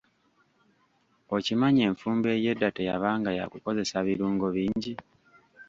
Okimanyi enfumba ey'edda teyabanga yakukozesa birungo bingi